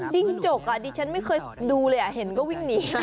จิ้งจกดิฉันไม่เคยดูเลยเห็นก็วิ่งหนี